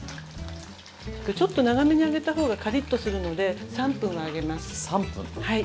ちょっと長めに揚げた方がカリッとするので３分は揚げます。